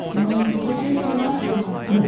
やっぱり親戚待ってますね。